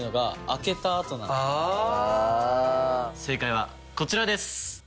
正解はこちらです。